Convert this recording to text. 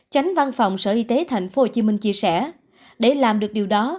tránh văn phòng sở y tế tp hcm chia sẻ để làm được điều đó